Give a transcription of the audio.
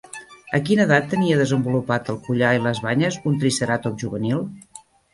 A quina edat tenia desenvolupat el collar i les banyes un triceratop juvenil?